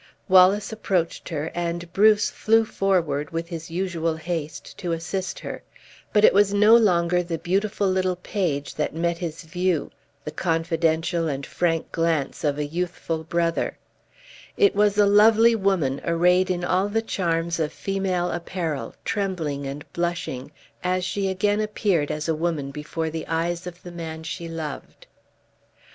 Wallace approached her, and Bruce flew forward, with his usual haste, to assist her; but it was no longer the beautiful little page that met his view, the confidential and frank glance of a youthful brother it was a lovely woman arrayed in all the charms of female apparel, trembling and blushing, as she again appeared as a woman before the eyes of the man she loved.